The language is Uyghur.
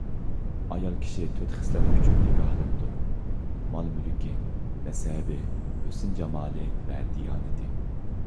ئايال كىشى تۆت خىسلەت ئۈچۈن نىكاھلىنىدۇ: مال-مۈلكى، نەسەبى، ھۆسن-جامالى ۋە دىيانىتى.